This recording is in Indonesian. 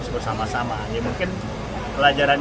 bersama sama ya mungkin pelajaran